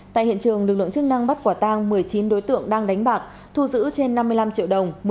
tại hiện trường lực lượng chức năng bắt quả tang một mươi chín đối tượng đang đánh bạc thu giữ trên năm mươi năm triệu đồng